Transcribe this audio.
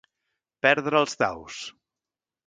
Perdre els daus.